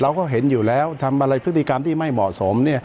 เราก็เห็นอยู่แล้วทำอะไรพฤติกรรมที่ไม่เหมาะสม